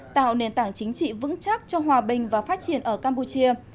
tạo nền tảng chính trị vững chắc cho hòa bình và phát triển ở campuchia